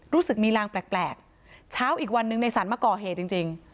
รู้สึกมีรางแปลกเช้าอีกวันหนึ่งในสรรมาก่อเหตุจริง